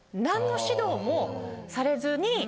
何の指導もされずに。